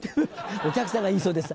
お客さんが言いそうです。